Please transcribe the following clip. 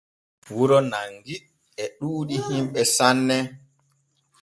Wuro Nangi e ɗuuɗi himɓe sanne.